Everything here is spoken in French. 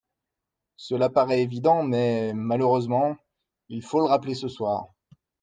Cela paraît évident mais, malheureusement, il faut le rappeler ce soir.